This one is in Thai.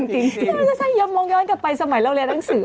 ถ้ายมมองย้อนกลับไปสมัยเราเรียนหนังสือ